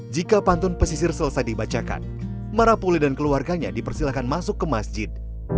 jika pantun pesisir selesai dibacakan marah pule dan keluarganya dipersilakan masuk ke masjid